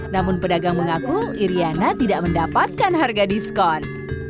namun pedagang mengaku iriana tidak mendapatkan harga diskon